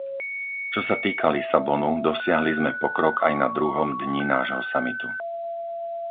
Čo sa týka Lisabonu, dosiahli sme pokrok aj na druhom dni nášho samitu.